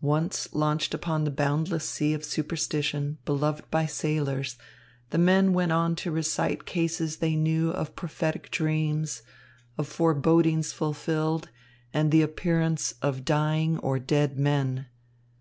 Once launched upon the boundless sea of superstition, beloved by sailors, the men went on to recite cases they knew of prophetic dreams, of forebodings fulfilled, and the appearance of dying or dead men.